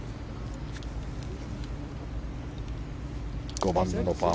５番のパー